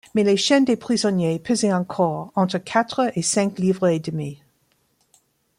Mais les chaînes des prisonniers pesaient encore entre quatre et cinq livres et demie.